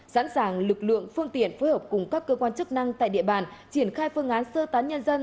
sẵn sàng lực lượng phương tiện phối hợp cùng các cơ quan chức năng tại địa bàn triển khai phương án sơ tán nhân dân